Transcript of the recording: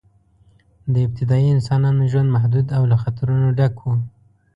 د ابتدایي انسانانو ژوند محدود او له خطرونو ډک و.